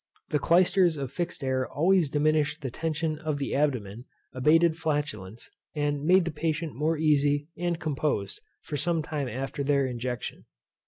The clysters of fixed air always diminished the tension of the Abdomen, abated flatulence, and made the patient more easy and composed for some time after their injection.